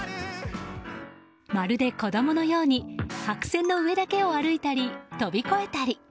まるで子供のように白線の上だけを歩いたり飛び越えたり。